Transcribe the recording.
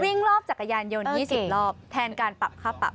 วิ่งรอบจักรยานยนต์๒๐รอบแทนการปรับค่าปรับ